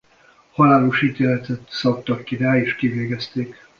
Halálos ítéletet szabtak ki rá és kivégezték.